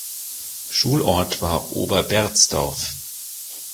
Schulort war Ober Berzdorf.